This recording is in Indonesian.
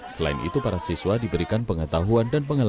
selain itu para siswa diberikan pengetahuan dan pengeluaran